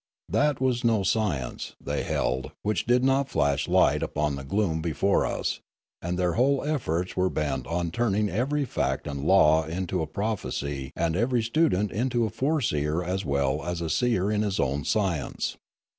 That was no science, they held, which did not flash light upon the gloom before us; and their whole efforts were bent on turning every fact and law into a prophecy and every student into a foreseer as well as a seer in his own science.